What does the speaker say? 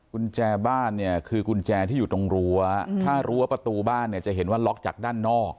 กุญแจบ้านเนี่ยคือกุญแจที่อยู่ตรงรั้วถ้ารั้วประตูบ้านเนี่ยจะเห็นว่าล็อกจากด้านนอก